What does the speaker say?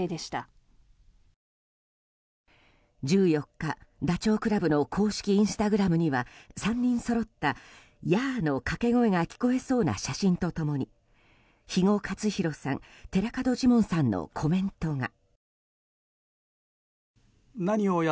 １４日、ダチョウ倶楽部の公式インスタグラムには３人そろった「ヤー！」の掛け声が聞こえそうな写真と共に肥後克広さん、寺門ジモンさんのコメントが。